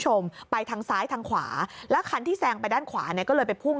ไปทางซ้ายทางขวาแล้วคันที่แซงไปด้านขวาเนี่ยก็เลยไปพุ่ง